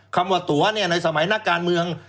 คำว่าตัวในสมัยนักการเมือง